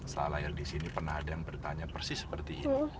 saya lahir di sini pernah ada yang bertanya persis seperti ini